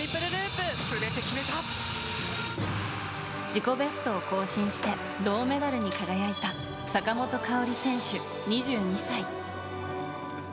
自己ベストを更新して銅メダルに輝いた坂本花織選手、２２歳。